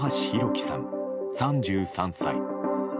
輝さん、３３歳。